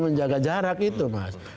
menjaga jarak itu mas